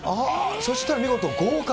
そしたら見事合格。